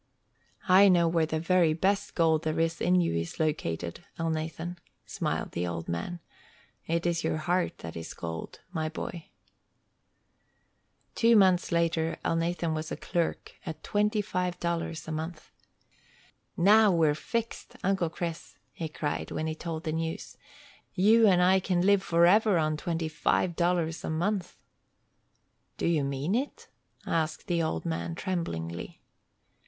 "I know where the very best gold there is in you is located, Elnathan," smiled the old man. "It is your heart that is gold, my boy." Two months later Elnathan was a clerk at twenty five dollars a month. "Now we're fixed, Uncle Chris!" he cried, when he told the news. "You and I can live forever on twenty five dollars a month." "Do you mean it?" asked the old man, tremblingly.